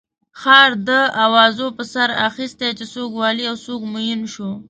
ښار د اوازو پر سر اخستی چې څوک والي او څوک معین شو.